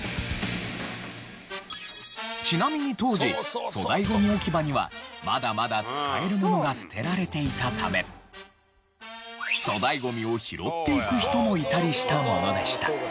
ちなみに当時粗大ゴミ置き場にはまだまだ使えるものが捨てられていたため粗大ゴミを拾っていく人もいたりしたものでした。